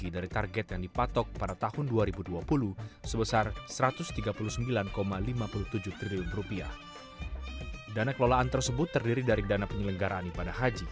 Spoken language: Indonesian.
dana kelolaan tersebut terdiri dari dana penyelenggaraan ibadah haji